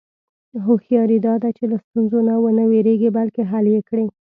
هوښیاري دا ده چې له ستونزو نه و نه وېرېږې، بلکې حل یې کړې.